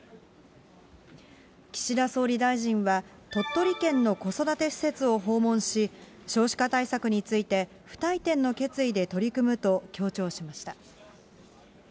岸田総理大臣は鳥取県の子育て施設を訪問し、少子化対策について、不退転の決意で取り組むと強調しました。